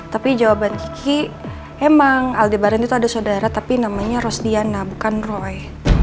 tapi jawaban kiki emang aldi baren itu ada saudara tapi namanya rosdiana bukan roy